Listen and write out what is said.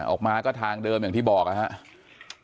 ออกมาก็ทางเดิมอย่างที่บอกนะครับ